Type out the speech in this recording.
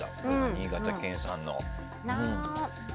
新潟県産の。